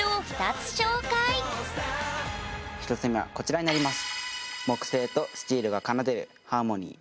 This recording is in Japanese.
１つ目はこちらになります。